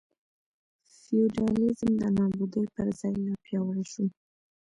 فیوډالېزم د نابودۍ پر ځای لا پیاوړی شو.